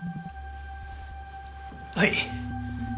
はい。